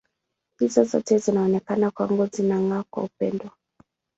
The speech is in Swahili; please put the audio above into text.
Hizo zote zinaonekana kwangu zinang’aa kwa upendo.